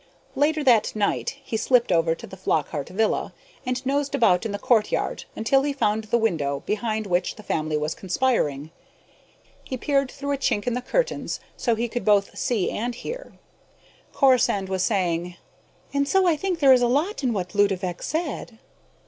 Later that night, he slipped over to the Flockhart villa and nosed about in the courtyard until he found the window behind which the family was conspiring. He peered through a chink in the curtains, so he could both see and hear. Corisande was saying, "And so I think there is a lot in what Ludovick said...."